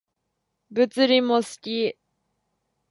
物理も好き